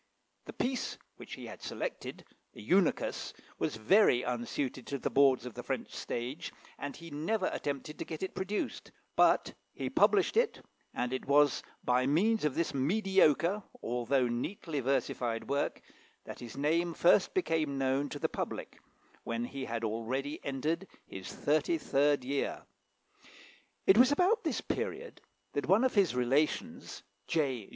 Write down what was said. The piece which he had selected, the "Eunuchus," was very unsuited to the boards of the French stage, and he never attempted to get it produced; but he published it, and it was by means of this mediocre, although neatly versified work, that his name first became known to the public, when he had already entered his thirty third year. It was about this period that one of his relations, J.